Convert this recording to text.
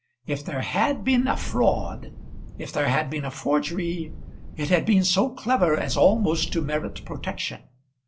If there had been a fraud, if there had been a forgery, it had been so clever as almost to merit protection!